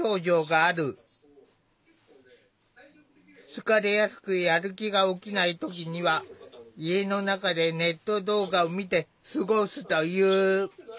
疲れやすくやる気が起きない時には家の中でネット動画を見て過ごすという。